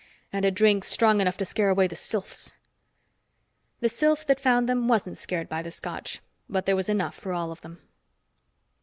And a drink strong enough to scare away the sylphs." The sylph that found them wasn't scared by the Scotch, but there was enough for all of them.